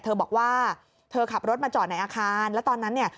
เธอบอกว่าเธอขับรถมาจอดในอาคารแล้วตอนนั้นเนี่ย